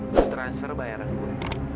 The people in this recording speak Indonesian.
mutransfer bayaran gua